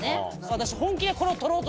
私。